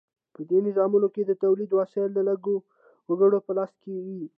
په دې نظامونو کې د تولید وسایل د لږو وګړو په لاس کې وي.